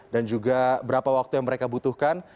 dan juga berapa waktu yang mereka butuhkan